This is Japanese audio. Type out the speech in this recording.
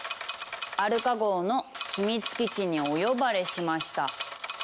「アルカ号の秘密基地にお呼ばれしました」。